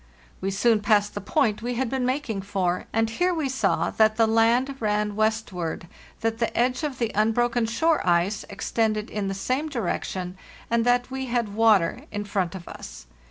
We soon passed the point we had been making for,* and here we saw that the land ran westward, that the edge of the unbroken shore ice extended in the same direc tion, and that we had water in front of us.